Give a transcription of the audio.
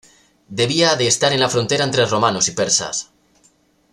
Debía de estar en la frontera entre romanos y persas.